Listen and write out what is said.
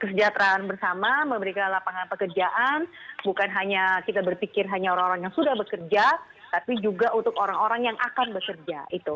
kesejahteraan bersama memberikan lapangan pekerjaan bukan hanya kita berpikir hanya orang orang yang sudah bekerja tapi juga untuk orang orang yang akan bekerja